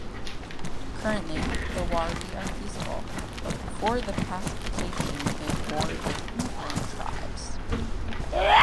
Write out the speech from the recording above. Currently, the Wari' are peaceful, but before the pacification they warred with neighboring tribes.